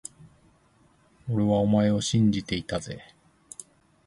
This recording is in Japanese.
俺はお前を信じていたぜ…